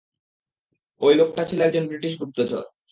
অই লোকটা ছিল একজন ব্রিটিশ গুপ্তচর।